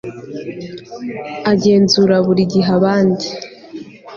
agenzura buri gihe abandi